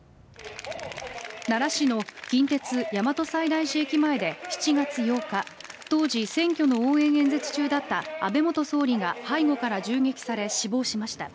奈良市の近鉄大和西大寺駅前で７月８日当時、選挙の応援演説中だった安倍元総理が背後から銃撃され死亡しました。